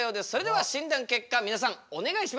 結果皆さんお願いします。